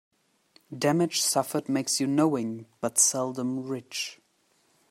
Damage suffered makes you knowing, but seldom rich.